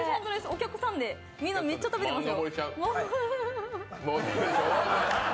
お客さん、みんなめっちゃ食べてますよ。